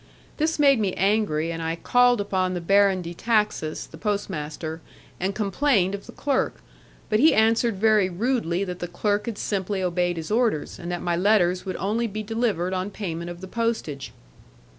This made me angry, and I called upon the Baron de Taxis, the postmaster, and complained of the clerk, but he answered very rudely that the clerk had simply obeyed his orders, and that my letters would only be delivered on payment of the postage.